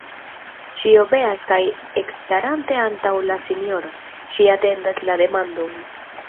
Ŝi obeas kaj ekstarante antaŭ la sinjoro, ŝi atendas la demandon.